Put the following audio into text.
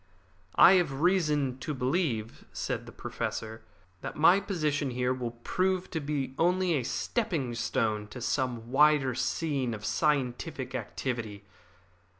"I have reason to believe," said the Professor, "that my position here will prove to be only a stepping stone to some wider scene of scientific activity.